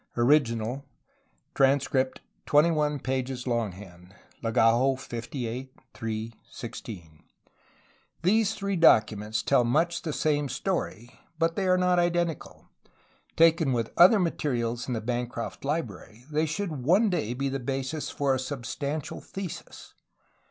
Original. Transcript 21 pp. long hand. Legajo 58 3 16. These three documents tell much the same story, but they are not iden tical. Taken with other materials in the Bancroft Library they should one day be the basis for a substantial thesis.